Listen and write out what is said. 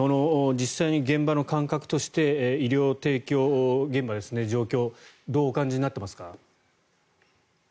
実際に現場の感覚として医療提供現場の状況どうお感じになっていますか？